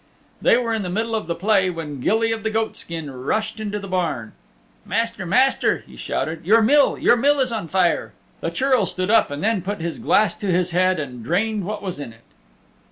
They were in the middle of the play when Gilly of the Goatskin rushed into the barn. "Master, master," he shouted, "your mill your mill is on fire." The Churl stood up, and then put his glass to his head and drained what was in it.